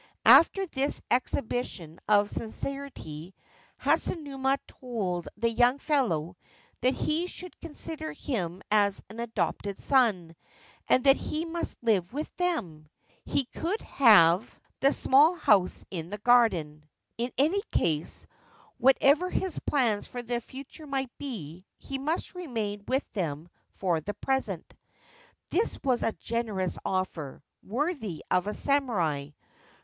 After this exhibition of sincerity Hasunuma told the young fellow that he should consider him as an adopted son, and that he must live with them. He could have 1 Family shrine. 4 The Golden Hairpin the small house in the garden. In any case, whatever his plans for the future might be, he must remain with them for the present. This was a generous offer, worthy of a samurai.